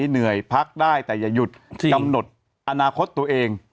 เหนื่อยพักได้แต่อย่าหยุดกำหนดอนาคตตัวเอง